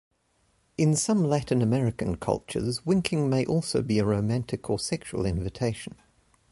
In some Latin American cultures, winking may also be a romantic or sexual invitation.